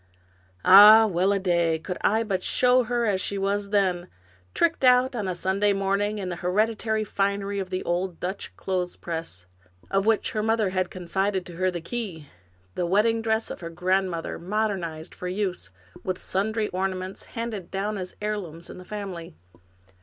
Ah, well a day! Could I but show her as she was then, tricked out on a Sunday morning in the hereditary finery of the old Dutch clothespress, of which her mother had con fided to her the key ! The wedding dress of her grand mother, modernized for use, with sundry ornaments, handed down as heirlooms in the family.